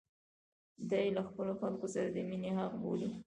دا یې له خپلو خلکو سره د مینې حق بولي.